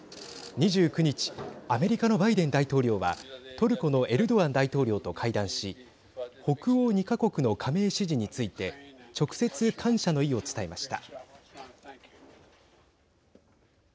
２９日アメリカのバイデン大統領はトルコのエルドアン大統領と会談し北欧２か国の加盟支持について直接、感謝の意を伝えました。